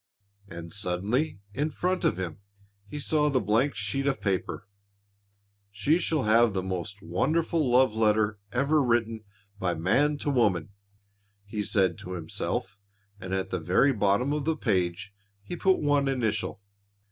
And suddenly in front of him he saw the blank sheet of paper. "She shall have the most wonderful love letter ever written by man to woman," he said to himself and at the very bottom of the page, he put one initial.